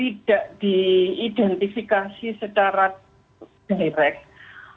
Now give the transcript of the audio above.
tidak diidentifikasi secara direct